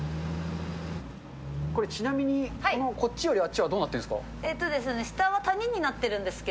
これ、ちなみにこっちよりあっちはどうなってるんですか？